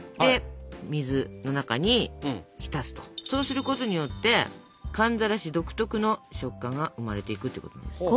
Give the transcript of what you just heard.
そうすることによって寒ざらし独特の食感が生まれていくっていうことなんですよ。